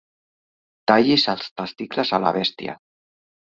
Tallis els testicles a la bèstia.